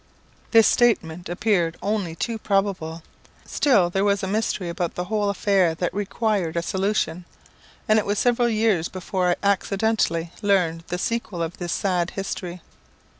This statement appeared only too probable. Still there was a mystery about the whole affair that required a solution, and it was several years before I accidentally learned the sequel of this sad history.